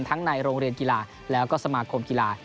ในโรงเรียนกีฬาแล้วก็สมาคมกีฬา